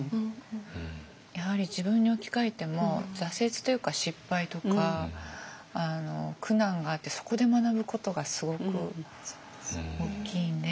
やはり自分に置き換えても挫折というか失敗とか苦難があってそこで学ぶことがすごく大きいんで。